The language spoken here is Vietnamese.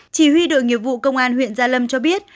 chỉ huy đội nghiệp vụ công an huyện gia lâm cho biết